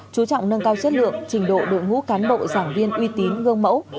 chú trọng nâng cao chất lượng trình độ đội ngũ cán bộ giảng viên uy tín gương mẫu